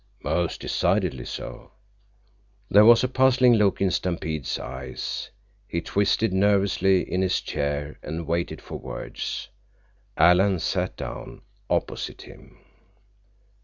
"Most decidedly so." There was a puzzling look in Stampede's eyes. He twisted nervously in his chair and waited for words. Alan sat down opposite him.